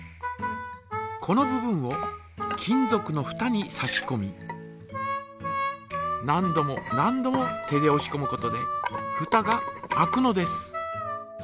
この部分を金ぞくのふたに差しこみ何度も何度も手でおしこむことでふたが開くのです。